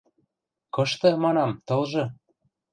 — Кышты, манам, тылжы?